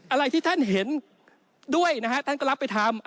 อะไรที่ท่านเห็นด้วยนะฮะท่านก็รับไปทำ